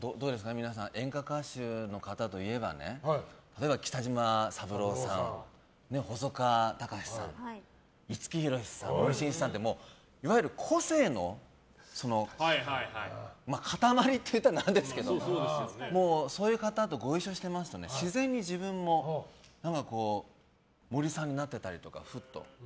演歌歌手の方といえば例えば北島三郎さん細川たかしさん五木ひろしさん、森進一さんって個性の塊って言ったらなんですけどそういう方とご一緒してましたので自然に自分もふっと森さんになってたりとか。